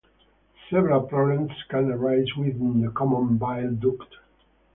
Several problems can arise within the common bile duct.